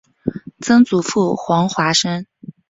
曾祖父黄华生。